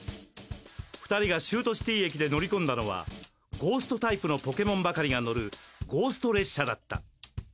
２人がシュートシティ駅で乗り込んだのはゴーストタイプのポケモンばかりが乗るゴースト列車だった。